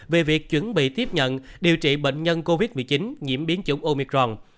về việc chuẩn bị tiếp nhận điều trị bệnh nhân covid một mươi chín nhiễm biến chủng omitron